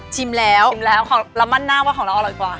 ชิมแล้วอย่างรามานหน้าว่าของเราอร่อยกว่า